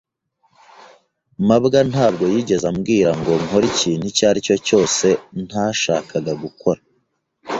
mabwa ntabwo yigeze ambwira ngo nkore ikintu icyo ari cyo cyose ntashakaga gukora.